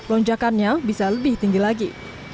lonjakannya bisa lebih tinggi lagi